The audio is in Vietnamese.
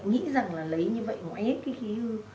nghĩ rằng là lấy như vậy mà hết cái khí hư